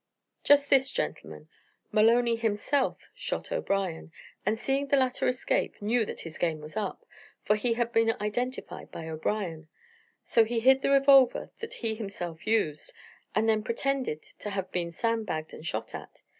"Just this, gentlemen. Maloney himself shot O'Brien, and seeing the latter escape knew that his game was up, for he had been identified by O'Brien. So he hid the revolver that he himself used, and then pretended to have been sand bagged and shot at.